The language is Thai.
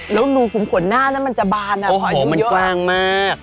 แล้วหนูขุมขวนน่านั้นมันจะบานอะโอ้โหมันกว้างมาก